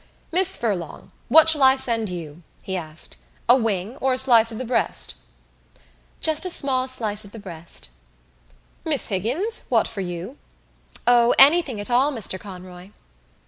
"Miss Furlong, what shall I send you?" he asked. "A wing or a slice of the breast?" "Just a small slice of the breast." "Miss Higgins, what for you?" "O, anything at all, Mr Conroy."